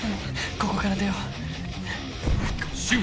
ここから出よう。